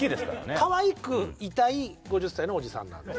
かわいくいたい５０歳のおじさんなんで。